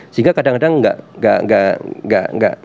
sehingga kadang kadang gak